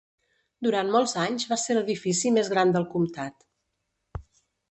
Durant molts anys va ser l'edifici més gran del comptat.